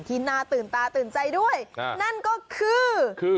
ที่น่าตื่นตาตื่นใจด้วยนั่นก็คือ